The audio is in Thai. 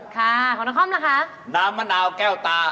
ค่ะของนครล่ะคะน้ำมะนาวแก้วตา